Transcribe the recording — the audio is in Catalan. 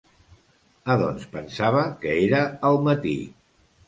Ah doncs pensava que era al matí.